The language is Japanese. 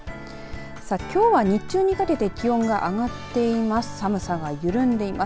きょうは日中にかけて気温が上がっています。